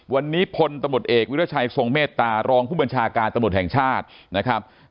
วันนี้พลตำรวจเอกวิรัชัยทรงเมตตารองผู้บัญชาการตำรวจแห่งชาตินะครับ